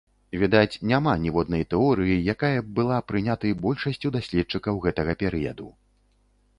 Відаць, няма ніводнай тэорыі, якая б была прыняты большасцю даследчыкаў гэтага перыяду.